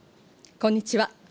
こんにちは。